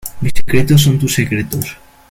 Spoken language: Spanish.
mis secretos son tus secretos.